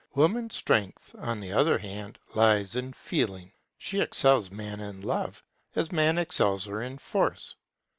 Woman's strength, on the other hand, lies in Feeling. She excels Man in love, as Man excels her in force.